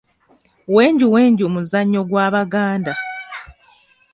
Wenjuwenju muzannyo gwa Baganda.